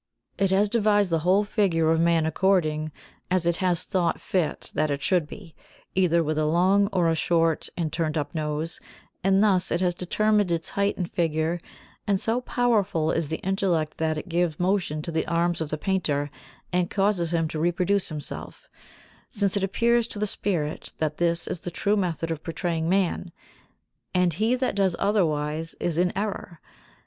It has devised the whole figure of man according as it has thought fit that it should be, either with long or a short and turned up nose, and thus it has determined its height and figure; and so powerful is the intellect that it gives motion to the arms of the painter and causes him to reproduce himself, since it appears to the spirit that this is the true method of portraying man, and he that does otherwise is in error.